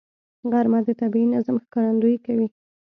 غرمه د طبیعي نظم ښکارندویي کوي